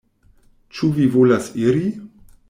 Ĉu vi volas iri?